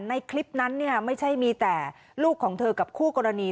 ในคลิปนั้นไม่ใช่มีแต่ลูกของเธอกับคู่กรณี